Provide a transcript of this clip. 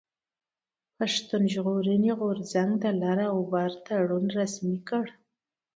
پښتون ژغورني غورځنګ د لر او بر تړون رسمي کړ.